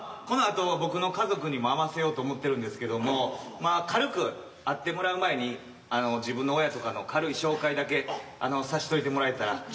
このあと僕の家族にも会わせようと思ってるんですけどもまあ軽く会ってもらう前にあの自分の親とかの軽い紹介だけさしといてもらえたら。